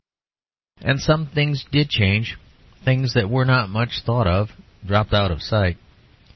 And some things did change. Things that were not much thought of dropped out of sight.